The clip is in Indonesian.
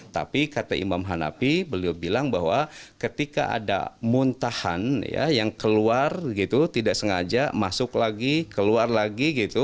tapi kata imam hanapi beliau bilang bahwa ketika ada muntahan yang keluar gitu tidak sengaja masuk lagi keluar lagi gitu